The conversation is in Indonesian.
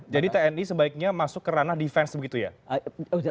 jadi tni sebaiknya masuk ke ranah defense begitu ya